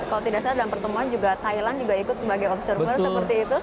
kalau tidak salah dalam pertemuan juga thailand juga ikut sebagai observer seperti itu